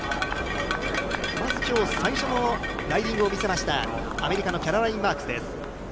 きょう最初のライディングを見せました、アメリカのキャロライン・マークスです。